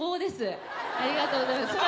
・ありがとうございます。